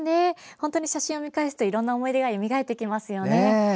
本当に写真を見返すといろんな思い出よみがえってきますね。